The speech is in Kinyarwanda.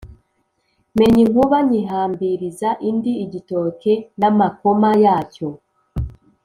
Mennye inkuba nyihambiriza indi-Igitoke n'amakoma yacyo.